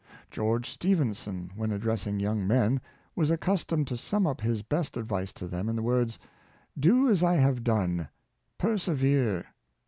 George Steph enson, when addressing young men, was accustomed to sum up his best advice to them in the words, " Do as I have done — persevere."